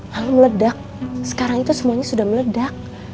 lalu meledak sekarang itu semuanya sudah meledak